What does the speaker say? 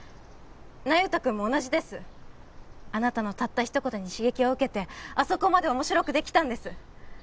那由他君も同じですあなたのたった一言に刺激を受けてあそこまで面白くできたんです